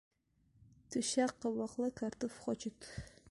Түщә ҡабыҡлы картуф хочет.